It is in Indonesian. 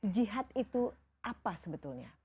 jihad itu apa sebetulnya